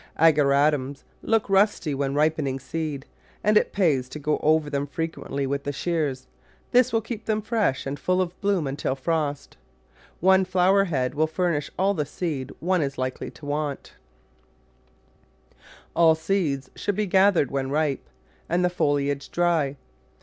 Ageratums look rusty when ripening seed, and it pays to go over them frequently with the shears; this will keep them fresh and full Digitized by Google Five] Jtorc&asfag of feeetwi 47 of bloom until frost. One flower head will furnish all the seed one is likely to want. All seeds should be gathered when ripe and the foliage dry.